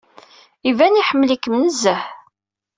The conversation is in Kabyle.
Iban iḥemmel-ikem nezzeh..